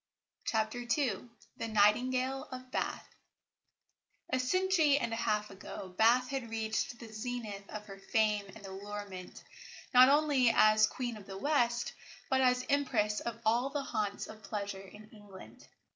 CHAPTER II THE NIGHTINGALE OF BATH A century and a half ago Bath had reached the zenith of her fame and allurement, not only as "Queen of the West," but as Empress of all the haunts of pleasure in England.